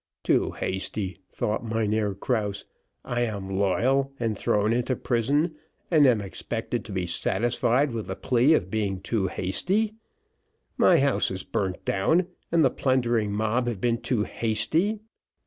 "Too hasty," thought Mynheer Krause, "I am loyal and thrown into prison, and am expected to be satisfied with the plea of being too hasty. My house is burnt down, and the plundering mob have been too hasty.